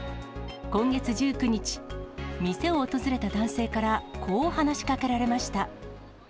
今月１９日、店を訪れた男性からこう話しかけられました。